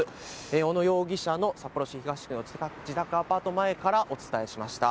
小野容疑者の札幌市東区の自宅アパート前からお伝えしました。